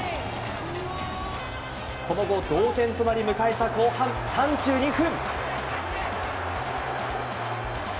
その後、同点となり迎えた後半３２分。